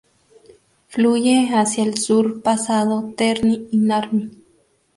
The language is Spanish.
Fluye hacia el sur pasado Terni y Narni.